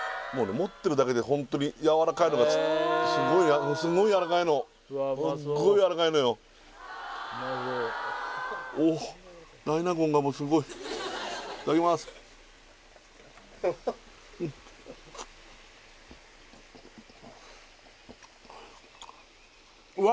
持ってるだけでホントにやわらかいのがすごいすごいやわらかいのすっごいやわらかいのよおお大納言がもうすごいいただきますうわ